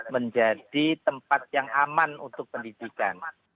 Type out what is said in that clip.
menjadi tempat yang aman untuk pendidikan